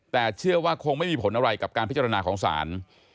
แต่เชื่อว่าคงไม่มีผลอะไรกับการพิจารณาของศาล